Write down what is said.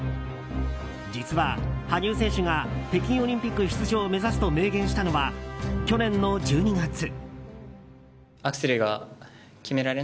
実は、羽生選手が北京オリンピック出場を目指すと明言したのは去年の１２月。